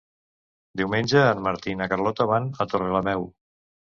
Diumenge en Martí i na Carlota van a Torrelameu.